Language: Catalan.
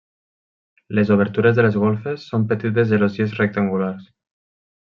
Les obertures de les golfes són petites gelosies rectangulars.